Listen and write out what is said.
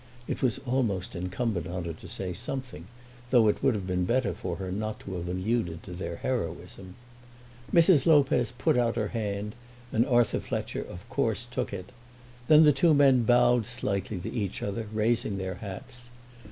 It was almost incumbent on her to say something, though it would have been better for her not to have alluded to their heroism. Mrs. Lopez put out her hand, and Arthur Fletcher of course took it. Then the two men bowed slightly to each other, raising their hats.